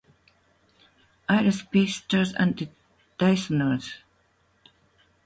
I loved space, stars and dinosaurs.